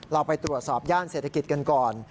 เราไปตรวจสอบย่านเศรษฐกิจกันก่อน